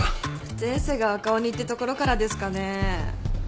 前世が赤鬼ってところからですかねえ。